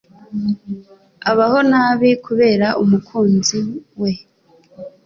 abaho nabi kubera kubura umukunzi we.